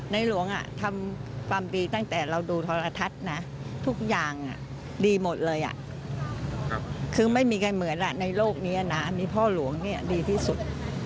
อ๋อในหลวงอ่ะทำความดีตั้งแต่เราดูทรทัศน์นะทุกอย่างอ่ะดีหมดเลยอ่ะคือไม่มีใครเหมือนอ่ะในโลกนี้อ่ะน่ะมีพ่อหลวงเนี่ยดีที่สุด